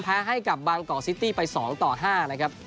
แพ้ให้กับบ๊างกอกซิตี้ไป๒๕ครับ